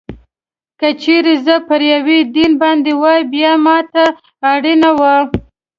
که چېرې زه پر یوه دین باندې وای، بیا ما ته اړینه وه.